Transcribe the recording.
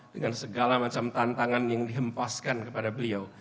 dengan segala macam tantangan yang dihempaskan kepada beliau